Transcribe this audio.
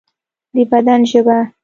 د بدن ژبه